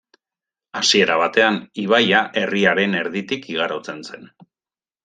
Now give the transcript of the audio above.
Hasiera batean, ibaia herriaren erditik igarotzen zen.